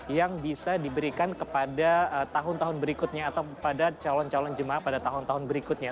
yang bisa diberikan kepada tahun tahun berikutnya atau kepada calon calon jemaah pada tahun tahun berikutnya